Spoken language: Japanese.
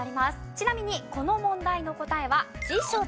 ちなみにこの問題の答えは辞書です。